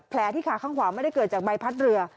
ที่ขาข้างขวาไม่ได้เกิดจากใบพัดเรือ